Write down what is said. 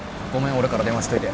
俺から電話しといて。